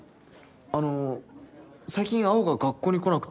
あの最近青が学校に来なくって。